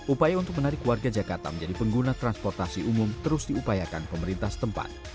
upaya untuk menarik warga jakarta menjadi pengguna transportasi umum terus diupayakan pemerintah setempat